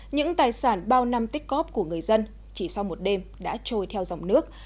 những tài sản bao năm tích cóp của người dân chỉ sau một đêm đã trôi theo dòng nước